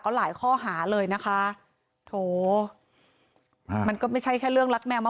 ก็หลายข้อหาเลยนะคะโถ้มันก็ไม่ใช่แค่